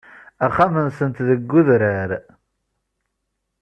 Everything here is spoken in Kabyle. Axxam-nsent deg udrar.